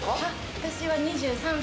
私は２３歳。